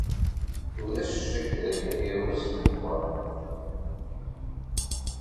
Ulac ccekk dakken yerwel seg uxxam.